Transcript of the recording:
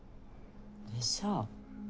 でしょ？